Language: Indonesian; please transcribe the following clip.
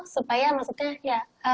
supaya maksudnya ya